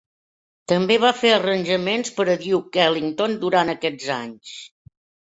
També va fer arranjaments per a Duke Ellington durant aquests anys.